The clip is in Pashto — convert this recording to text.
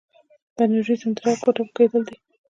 د انوریزم د رګ ګوټه کېدل دي.